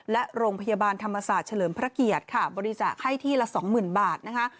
และโรงพยาบาลธรรมศาสตร์เฉลิมพระเกียรติค่ะบริจาคให้ที่ละสองหมื่นบาทนะคะ